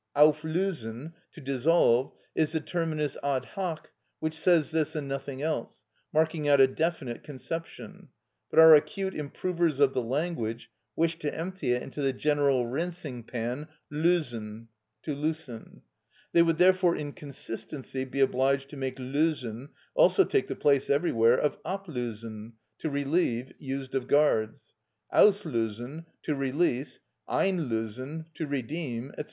"Auflösen" (to dissolve) is the terminus ad hoc, which says this and nothing else, marking out a definite conception; but our acute improvers of the language wish to empty it into the general rinsing pan "lösen" (to loosen); they would therefore in consistency be obliged to make "lösen" also take the place everywhere of "ablösen" (to relieve, used of guards), "auslösen" (to release), "einlösen" (to redeem), &c.